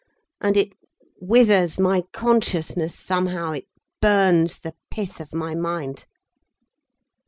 And it withers my consciousness, somehow, it burns the pith of my mind."